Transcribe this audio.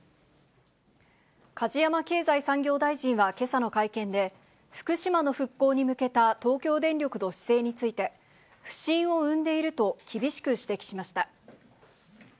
梶山経済産業大臣はけさの会見で、福島の復興に向けた東京電力の姿勢について、不信を生んでいると、厳しく指摘しました。